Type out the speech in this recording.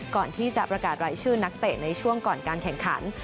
ก่อนที่จะประกาศรายชื่อนักเตะในช่วงก่อนการแข่งขัน